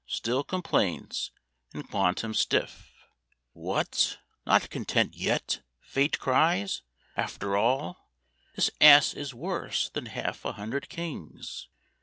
Still complaints, and quantum suff. "What! not content yet," Fate cries, "after all? This Ass is worse than half a hundred kings.